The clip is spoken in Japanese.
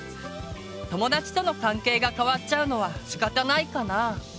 友達との関係が変わっちゃうのはしかたないかな？